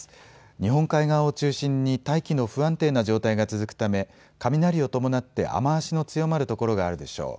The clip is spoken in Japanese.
日本海側を中心に大気の不安定な状態が続くため雷を伴って雨足の強まる所があるでしょう。